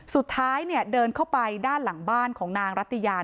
สุดท้ายเดินเข้าไปด้านหลังบ้านของนางรัตยา